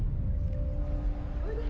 おいで！